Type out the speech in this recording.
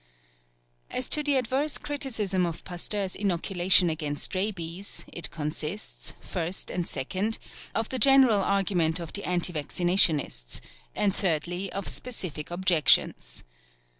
As to the adverse criticism of Pasteur's inoculation against rabies, it consists, first and second, of the general argument of the anti vaccinationists, and thirdly, of specific objections.